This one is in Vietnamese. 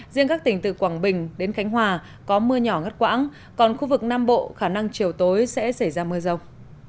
riêng các tỉnh từ quảng bình đến khánh hòa có mưa nhỏ ngất quãng còn khu vực nam bộ khả năng chiều tối sẽ xảy ra mưa rông